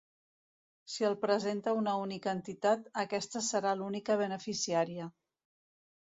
Si el presenta una única entitat, aquesta serà l'única beneficiària.